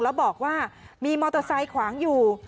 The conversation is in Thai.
แล้วบอกว่ามีมอเตอร์ไซค์ขวางอยู่